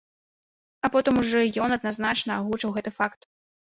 А потым ужо ён адназначна агучыў гэты факт.